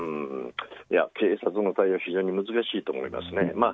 警察も非常に難しいと思いますね。